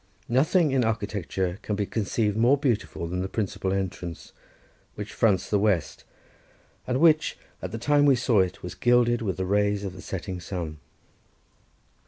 Nothing in architecture can be conceived more beautiful than the principal entrance, which fronts the west, and which, at the time we saw it, was gilded with the rays of the setting sun.